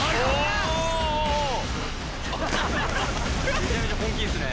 めちゃめちゃ本気っすね！